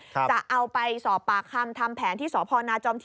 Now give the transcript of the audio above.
จะเอาไปสอบปากคำทำแผนที่สนจ